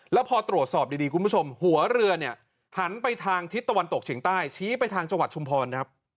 แล้วพอตรวจสอบดีคุณผู้ชมหัวเรือเนี่ยหันไปทางทิศตะวันตกเฉียงใต้ชี้ไปทางจังหวัดชุมพรครับ